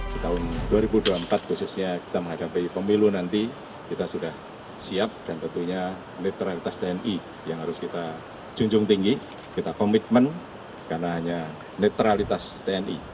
di tahun dua ribu dua puluh empat khususnya kita menghadapi pemilu nanti kita sudah siap dan tentunya netralitas tni yang harus kita junjung tinggi kita komitmen karena hanya netralitas tni